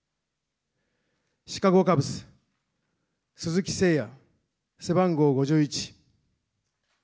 シカゴカブス、鈴木誠也、背番号５１。